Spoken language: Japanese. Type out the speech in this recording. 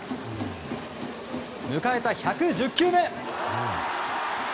迎えた１１０球目。